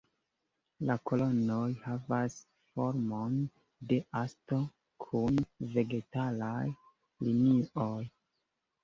La kolonoj havas formon de osto, kun vegetalaj linioj.